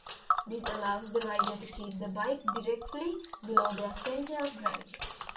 This allows the rider to keep the bike directly below their center of gravity.